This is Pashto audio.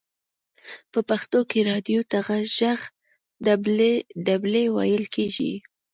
په پښتو کې رادیو ته ژغ ډبلی ویل کیږی.